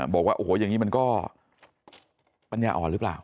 บอกว่าโอ้โหอย่างนี้มันก็ปัญญาอ่อนหรือเปล่า